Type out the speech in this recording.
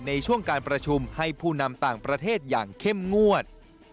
ในช่วงการประชุมให้ผู้นำต่างประเทศอย่างเข้มงวด